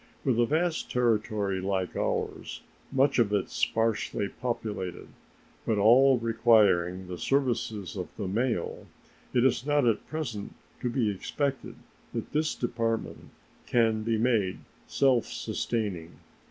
With a vast territory like ours, much of it sparsely populated, but all requiring the services of the mail, it is not at present to be expected that this Department can be made self sustaining.